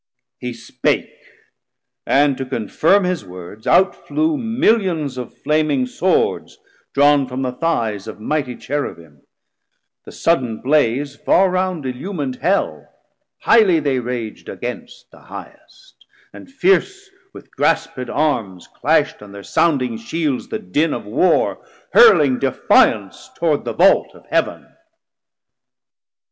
He spake: and to confirm his words, out flew Millions of flaming swords, drawn from the thighs Of mighty Cherubim; the sudden blaze Far round illumin'd hell: highly they rag'd Against the Highest, and fierce with grasped arm's Clash'd on their sounding shields the din of war, Hurling defiance toward the vault of Heav'n.